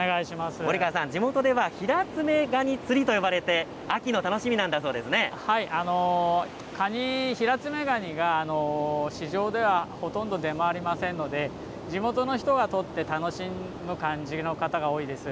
森川さん、地元では、ヒラツメガニ釣りと呼ばれて、秋の楽しヒラツメガニが、市場ではほとんど出回りませんので、地元の人が取って楽しむ感じの方が多いです。